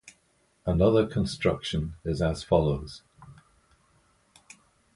Another construction is as follows.